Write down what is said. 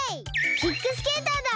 キックスケーターだ！